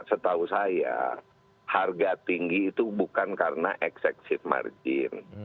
setahu saya harga tinggi itu bukan karena exexit margin